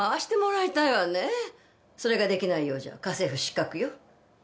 それが出来ないようじゃ家政婦失格よ。